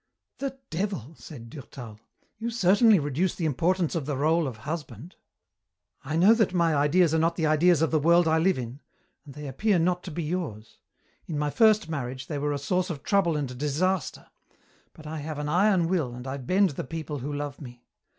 "The devil;" said Durtal. "You certainly reduce the importance of the rôle of husband." "I know that my ideas are not the ideas of the world I live in, and they appear not to be yours. In my first marriage they were a source of trouble and disaster but I have an iron will and I bend the people who love me.